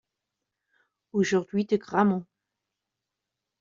aujourd’hui de Grammont.